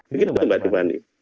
maka itu tempat tempat ini